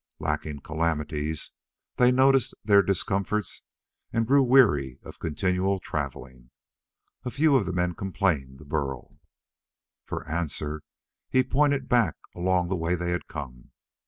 Lacking calamities, they noticed their discomforts and grew weary of continual traveling. A few of the men complained to Burl. For answer, he pointed back along the way they had come.